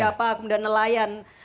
apa kemudian nelayan